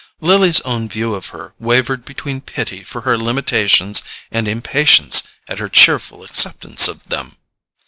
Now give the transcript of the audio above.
Lily's own view of her wavered between pity for her limitations and impatience at her cheerful acceptance of them.